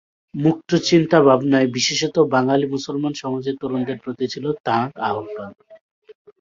মুক্তচিন্তা ভাবনায় বিশেষত, বাঙালি মুসলমান সমাজের তরুণদের প্রতি ছিল তাঁর আহবান।